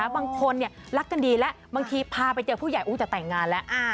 บางคนรักกันดีแล้วบางทีพาไปเจอผู้ใหญ่จะแต่งงานแล้ว